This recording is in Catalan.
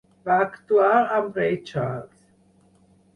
Va actuar amb Ray Charles.